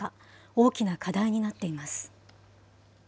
大きな課題になっています。